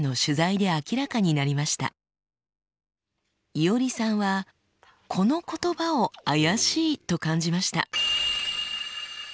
いおりさんはこの言葉を怪しいと感じました。